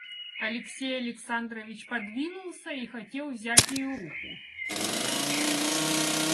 Алексей Александрович подвинулся и хотел взять ее руку.